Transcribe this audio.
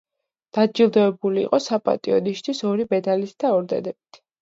დაჯილდოვებული იყო „საპატიო ნიშნის“ ორი მედლით და ორდენებით.